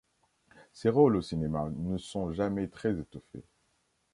Ses rôles au cinéma ne sont jamais très étoffés.